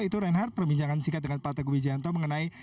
itu reinhardt perbincangan singkat dengan pak teguh wijanto mengenai